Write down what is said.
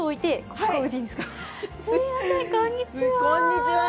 こんにちは。